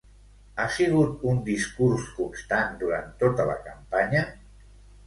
Ha sigut un discurs constant durant tota la campanya?